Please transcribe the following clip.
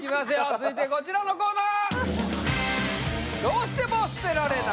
続いてこちらのコーナー！